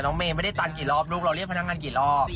เมย์ไม่ได้ตันกี่รอบลูกเราเรียกพนักงานกี่รอบ